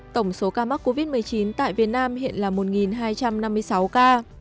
tổng số ca mắc covid một mươi chín tại việt nam hiện là một hai trăm năm mươi sáu ca